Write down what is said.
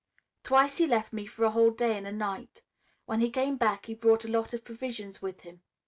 "Twice he left me for a whole day and a night. When he came back he brought a lot of provisions with him.